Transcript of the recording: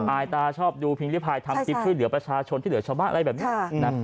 อายตาชอบดูพิมพ์นิพายทำกิจของเหลือประชาชนที่เหลือชม่าอะไรแบบนี้